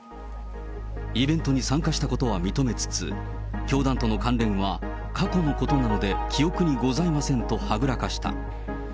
イベントに参加したことは認めつつ、教団との関連は過去のことなので、記憶にございませんとはぐらかした。